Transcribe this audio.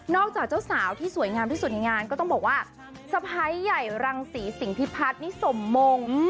จากเจ้าสาวที่สวยงามที่สุดในงานก็ต้องบอกว่าสะพ้ายใหญ่รังศรีสิงพิพัฒน์นี่สมมง